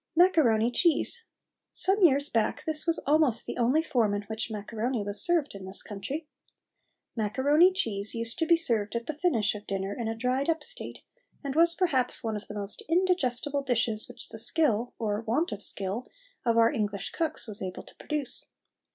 MACARONI CHEESE. Some years back this was almost the only form in which macaroni was served in this country. Macaroni cheese used to be served at the finish of dinner in a dried up state, and was perhaps one of the most indigestible dishes which the skill, or want of skill, of our English cooks was able to produce.